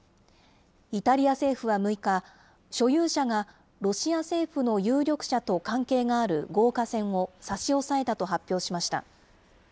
イタリア政府は６日、所有者がロシア政府の有力者と関係がある豪華船を差し押さえたと発表しました。